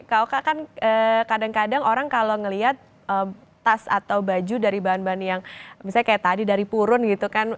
kak oka kan kadang kadang orang kalau ngelihat tas atau baju dari bahan bahan yang misalnya kayak tadi dari purun gitu kan